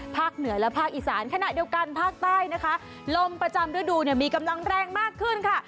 เหนือและภาคอีสานขณะเดียวกันภาคใต้นะคะลมประจำฤดูเนี่ยมีกำลังแรงมากขึ้นค่ะ